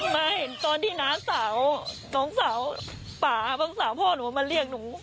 ไม่ตอนที่หน้าสาวน้องสาวป่าพ่อหนูมาเรียกหนู